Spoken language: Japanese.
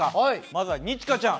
まずは二千翔ちゃん。